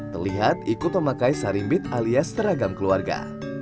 terlihat ikut memakai saringbit alias teragam keluarga